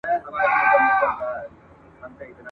په ځنګله کي د خپل ښکار په ننداره سو ..